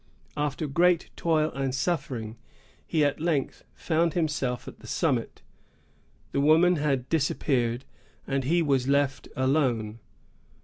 After great toil and suffering, he at length found himself at the summit. The woman had disappeared, and he was left alone.